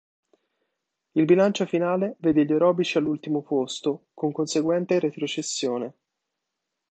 Il bilancio finale vede gli orobici all'ultimo posto, con conseguente retrocessione.